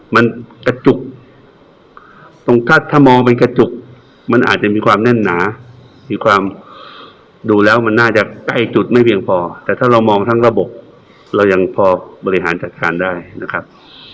มันกระจุกตรงถ้าถ้ามองเป็นกระจุกมันอาจจะมีความแน่นหนามีความดูแล้วมันน่าจะใกล้จุดไม่เพียงพอแต่ถ้าเรามองทั้งระบบเรายังพอบริหารจัดการได้นะครับ